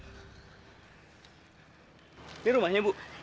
ini rumahnya bu